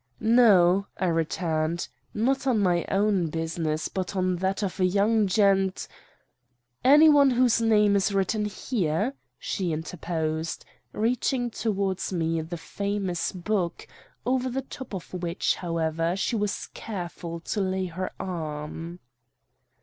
"'No,' I returned, 'not on my own business, but on that of a young gent ' "'Anyone whose name is written here?' she interposed, reaching towards me the famous book, over the top of which, however, she was careful to lay her arm.